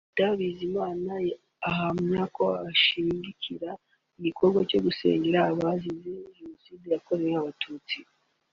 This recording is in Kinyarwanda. Dr Bizimana ahamya ko ashyigikira igikorwa cyo gusengera abazize Jenoside yakorewe abatutsi